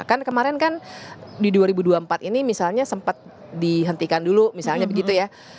kan kemarin kan di dua ribu dua puluh empat ini misalnya sempat dihentikan dulu misalnya begitu ya